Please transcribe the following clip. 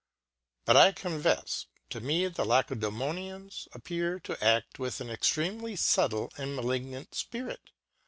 But I confefs, to me the Lacedzemonians appear to ad: with an extremely fubtle and malignant Spirit.